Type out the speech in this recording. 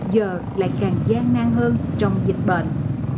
giờ lại càng gian năng hơn trong dịch bệnh